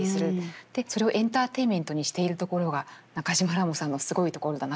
でそれをエンターテインメントにしているところが中島らもさんのすごいところだなと思いました。